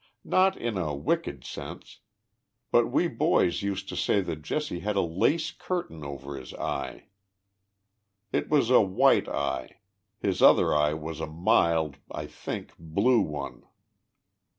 Not in a wicked sense, but we boys used to say that Jesse had a lace curtain over his eye. It was a white eye ; ins other eye was a mild, I think, blue one.